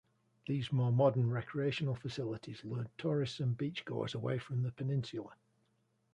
These more modern recreational facilities lured tourists and beachgoers away from the peninsula.